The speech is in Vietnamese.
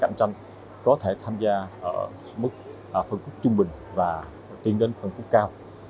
cạnh tranh có thể tham gia ở mức phân khúc trung bình và tiến đến phân khúc cao